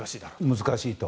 難しいと。